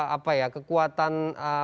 apa ya kekuatan